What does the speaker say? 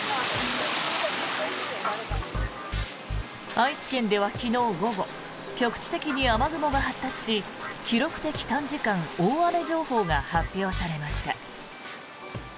愛知県では昨日午後局地的に雨雲が発達し記録的短時間大雨情報が発表されました。